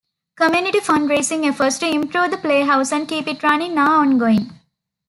Community fund raising efforts to improve the playhouse and keep it running are ongoing.